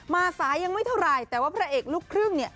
สายยังไม่เท่าไหร่แต่ว่าพระเอกลูกครึ่งเนี่ย